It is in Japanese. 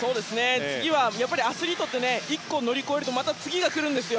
次はアスリートって１個乗り越えるとまた次が来るんですよ。